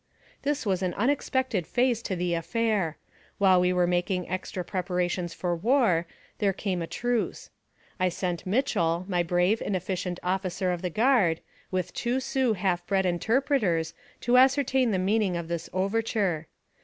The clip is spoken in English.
This was an unexpected phase to the affair. While we were making txtra preparations for war, there came a truce. I sent Mitchell, my brave and efficient officer of the guard, with two Sioux half bred interpreters to AMONG THE SIOUX INDIANS. 275 ascertain the meaning of this overture.